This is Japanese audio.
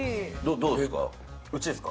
どうですか？